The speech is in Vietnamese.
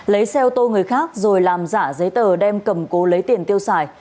lấy xe ô tô người khác rồi làm giả giấy tờ đem cầm cố lấy tiền tiêu xài